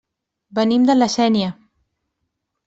Venim de La Sénia.